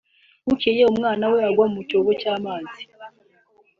bukeye umwana we agwa mu cyobo cy’amazi